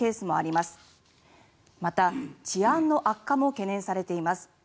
また、治安の悪化も懸念されています。